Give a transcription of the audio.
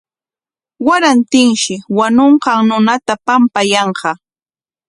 Warantinshi wañunqan runata pampayanqa.